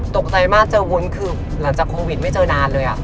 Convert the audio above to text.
ตกใจมากเจอวุ้นคือหลังจากโควิดไม่เจอนานเลย